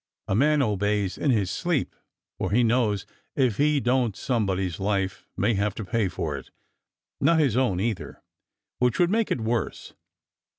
A man obeys in his sleep, for he knows if he don't somebody's life may have to pay for it not his own, either, which would make it worse.